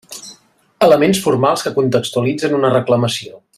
Elements formals que contextualitzen una reclamació.